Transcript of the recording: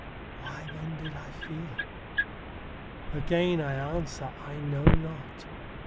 Why then did I fear ? Again I answer, I know not.